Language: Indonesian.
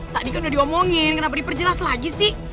tadi kan udah diomongin kenapa diperjelas lagi sih